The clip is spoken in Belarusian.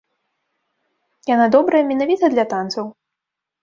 Яна добрая менавіта для танцаў.